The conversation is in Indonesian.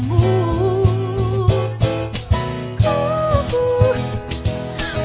agar semua tak berakhir